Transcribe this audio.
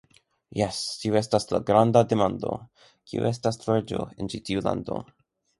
Jes, tiu estas la granda demando: Kiu estas reĝo en ĉi tiu lando?